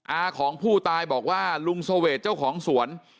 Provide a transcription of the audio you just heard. อาของผู้ตายบอกว่าลุงเสวดเจ้าของสวน